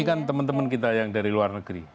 ini kan teman teman kita yang dari luar negeri